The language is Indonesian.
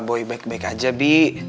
boy baik baik aja bi